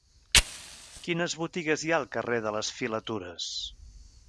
Quines botigues hi ha al carrer de les Filatures?